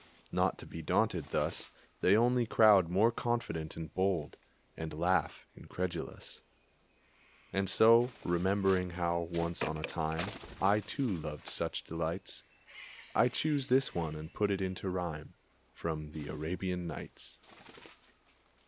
Not to be daunted thus, They only crowd more confident and bold, And laugh, incredulous. And so, remembering how, once on a time, I, too, loved such delights, I choose this one and put it into rhyme, From the "Arabian Nights."